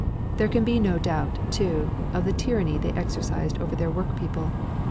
There can be no doubt, too, of the tyranny they exercised over their work people.